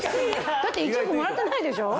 だって１億もらってないでしょ？